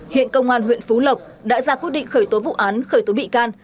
hiện công an huyện phú lộc đã ra quyết định khởi tố vụ án khởi tố bị can